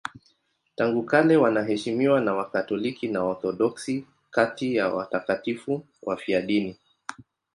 Tangu kale wanaheshimiwa na Wakatoliki na Waorthodoksi kati ya watakatifu wafiadini.